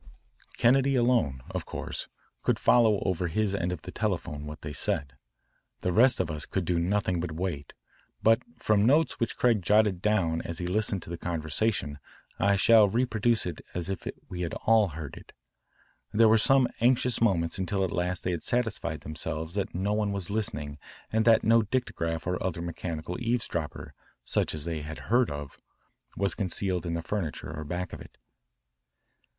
Kennedy alone, of course, could follow over his end of the telephone what they said. The rest of us could do nothing but wait, but from notes which Craig jotted down as he listened to the conversation I shall reproduce it as if we had all heard it. There were some anxious moments until at last they had satisfied themselves that no one was listening and that no dictograph or other mechanical eavesdropper, such as they had heard of, was concealed in the furniture or back of it.